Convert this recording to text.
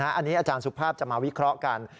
อันนี้อาจารย์สุภาพจะมาวิเคราะห์กัน